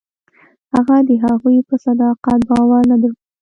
هغه د هغوی په صداقت باور نه درلود.